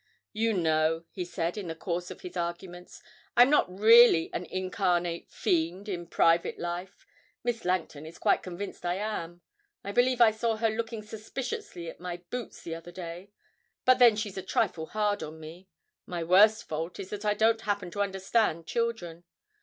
'You know,' he said, in the course of his arguments, 'I'm not really an incarnate fiend in private life. Miss Langton is quite convinced I am. I believe I saw her looking suspiciously at my boots the other day; but then she's a trifle hard on me. My worst fault is that I don't happen to understand children.